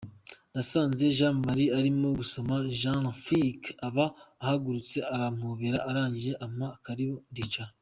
Nasanze Jean Marie arimo gusoma Jeune Afrique, aba arahagurutse arampobera arangije ampa karibu ndicara.